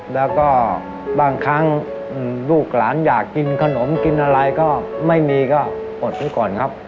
แล้วก็บางครั้งลูกหลานอยากกินขนมกินอะไรก็ไม่มีก็อดไว้ก่อนครับ